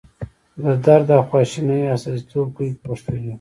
د درد او خواشینۍ استازیتوب کوي په پښتو ژبه.